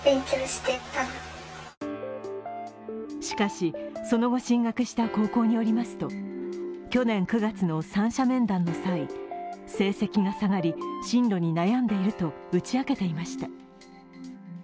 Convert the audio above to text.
しかし、その後、進学した高校によりますと去年９月の三者面談の際、成績が下がり、新路に悩んでいると打ち明けていました。